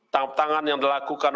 tangan tangan yang dilakukan